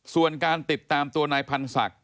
ส่วนการติดตามตัวนายพันศักดิ